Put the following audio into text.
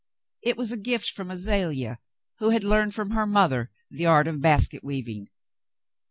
It was a gift from Azalea, who had learned from her mother the art of bas ket weaving.